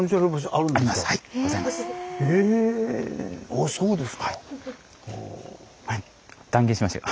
おぉそうですか。